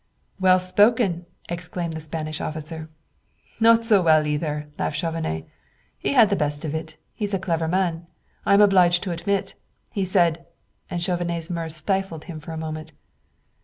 '" "Well spoken!" exclaimed the Spanish officer. "Not so well, either," laughed Chauvenet. "He had the best of it he's a clever man, I am obliged to admit! He said " and Chauvenet's mirth stifled him for a moment.